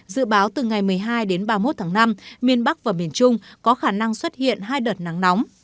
dự báo từ ngày một mươi hai đến ba mươi một tháng năm miền bắc và miền trung có khả năng xuất hiện hai đợt nắng nóng